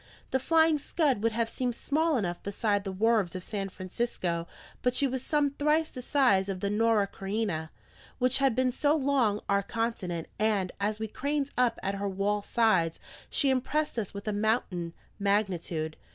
The Flying Scud would have seemed small enough beside the wharves of San Francisco, but she was some thrice the size of the Norah Creina, which had been so long our continent; and as we craned up at her wall sides, she impressed us with a mountain magnitude.